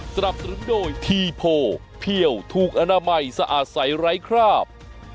สนับสนุนโดยทีโพเพี่ยวถูกอนามัยสะอาดใสไร้คราบ